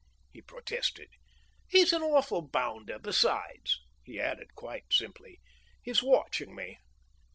he protested; "he's an awful bounder! Besides," he added quite simply, "he's watching me."